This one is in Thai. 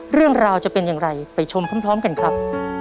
เรื่องราวจะเป็นอย่างไรไปชมพร้อมกันครับ